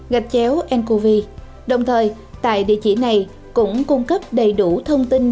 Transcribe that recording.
gạch chéo ncov đồng thời tại địa chỉ này cũng cung cấp đầy đủ thông tin